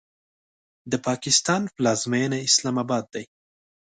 د پاکستان پلازمینه اسلام آباد ده.